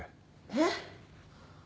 えっ！？